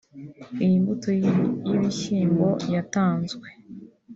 Iyi mbuto y’ibishyimbo yatanzwe